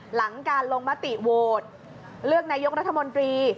หลังการลงมติโหวตเลือกนายกรัฐมนตรี